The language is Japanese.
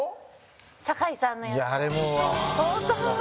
酒井さんのやつも相当。